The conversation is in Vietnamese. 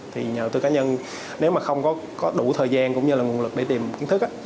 nếu nhà đầu tư cá nhân không có đủ thời gian cũng như nguồn lực để tìm kiến thức